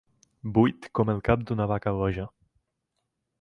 Buit com el cap d'una vaca boja.